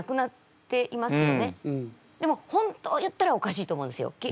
でも本当言ったらおかしいと思うんですよ。